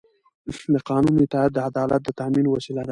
د قانون اطاعت د عدالت د تامین وسیله ده